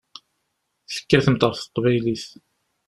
Tekkatemt ɣef teqbaylit.